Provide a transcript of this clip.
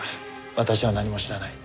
私は何も知らない。